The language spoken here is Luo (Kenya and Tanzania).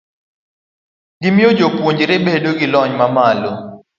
gimiyo jopuonjre bedo gi lony mamalo.